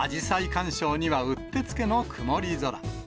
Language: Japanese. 観賞にはうってつけの曇り空。